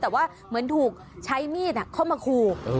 แต่ว่าเหมือนถูกใช้มีดเข้ามาขู่